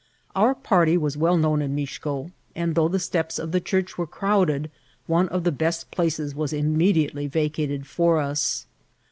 Our party was well known in Mixco ; and though the steps of the church were crowded, one of the best places was im mediately vacated for us.